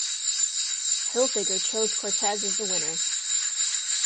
Hilfiger chose Cortez as the winner.